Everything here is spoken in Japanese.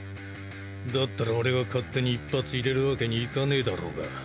だったら俺が勝手に一発入れるわけにいかねえだろうが。